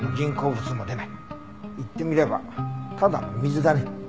言ってみればただの水だね。